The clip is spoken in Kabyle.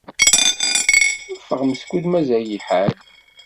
Ffeɣ meskud mazal lḥal.